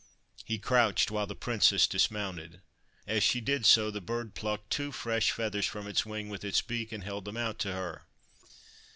He crouched while the Princess dismounted. As she did so, the Bird plucked two fresh feathers from its wing with its beak and held them out to her.